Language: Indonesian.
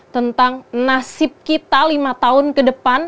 tentang nasib kita lima tahun ke depan